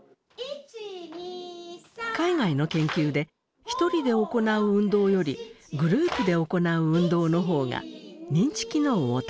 海外の研究で「１人で行う運動」より「グループで行う運動」の方が認知機能を高めると報告されたのがきっかけでした。